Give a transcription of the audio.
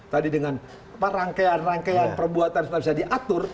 tadi dengan rangkaian rangkaian perbuatan sudah bisa diatur